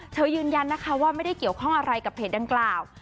ยืนยันนะคะว่าไม่ได้เกี่ยวข้องอะไรกับเพจดังกล่าว